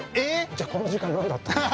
じゃあこの時間何だったの。